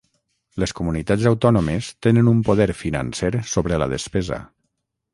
Les comunitats autònomes tenen un poder financer sobre la despesa.